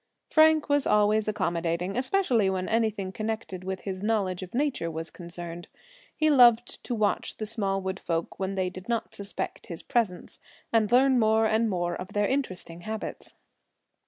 Frank was always accommodating, especially when anything connected with his knowledge of nature was concerned. He loved to watch the small woods folk when they did not suspect his presence, and learn more and more of their interesting habits.